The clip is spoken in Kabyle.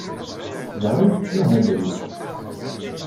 Da ay tettmahalem?